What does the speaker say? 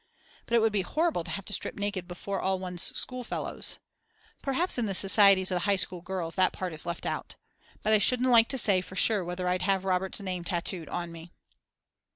But it would be horrible to have to strip naked before all one's schoolfellows. Perhaps in the societies of the high school girls that part is left out. But I shouldn't like to say for sure whether I'd have Robert's name tattooed on me.